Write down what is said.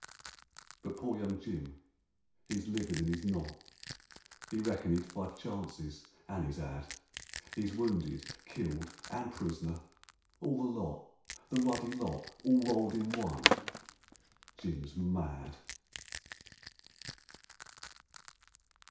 But poor young Jim, 'e's livin' an' 'e's not ; 'E reckoned 'e'd five chances, an' 'e's 'ad ; 'E's wounded, killed, and pris'ner, all the lot. The ruddy lot all rolled in one. Jim's mad.